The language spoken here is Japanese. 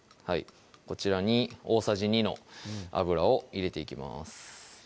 こちらに大さじ２の油を入れていきます